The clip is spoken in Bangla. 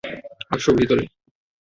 আসো, ভিতরে।